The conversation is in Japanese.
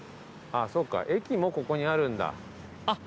そっか駅もここにあるんだ。